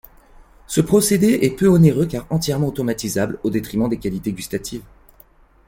Ce procédé est peu onéreux car entièrement automatisable, au détriment des qualités gustatives.